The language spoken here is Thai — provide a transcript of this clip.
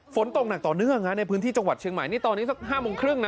ฝนตกหนักต่อเนื่องนะในพื้นที่จังหวัดเชียงใหม่นี่ตอนนี้สัก๕โมงครึ่งนะ